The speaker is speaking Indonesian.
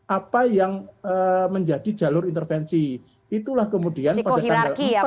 apa yang menjadi jalur intervensi itulah kemudian pada tanggal empat